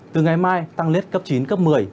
từ ngày mai tăng lên cấp chín cấp một mươi